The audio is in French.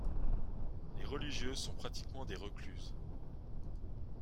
Les religieuses sont pratiquement des recluses.